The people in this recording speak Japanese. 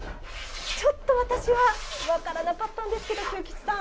ちょっと私は分からなかったんですけど久吉さん。